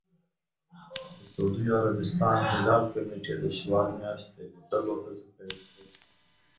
د سعودي عربستان هلال کمېټې د شوال میاشتې لیدلو هڅې پیل کړې دي.